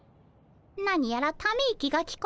何やらため息が聞こえたような。